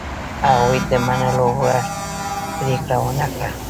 هغوی د منلو وړ پرېکړه ونه کړه.